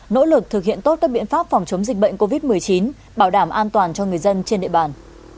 nỗ lực thực hiện tốt các biện pháp phòng chống dịch bệnh covid một mươi chín bảo đảm an toàn cho người dân trên địa bàn